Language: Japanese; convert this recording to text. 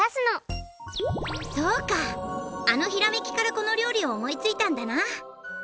そうかあのひらめきからこのりょうりをおもいついたんだな。